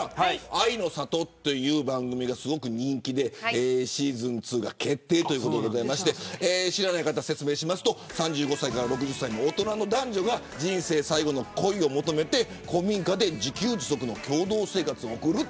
あいの里という番組がすごく人気でシーズン２が決定ということで知らない方に説明しますと３５歳から６０歳の大人の男女が人生最後の恋を求めて古民家で自給自足の共同生活を送る。